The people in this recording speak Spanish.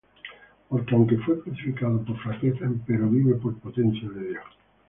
Porque aunque fué crucificado por flaqueza, empero vive por potencia de Dios.